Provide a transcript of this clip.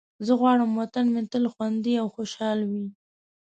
زه غواړم وطن مې تل خوندي او خوشحال وي.